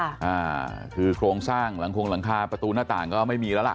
อ่าคือโครงสร้างหลังคงหลังคาประตูหน้าต่างก็ไม่มีแล้วล่ะ